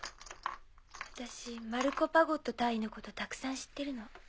私マルコ・パゴット大尉のことたくさん知ってるの。